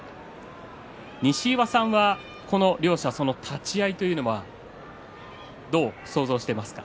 西岩さんはこの両者立ち合いというのはどう想像していますか。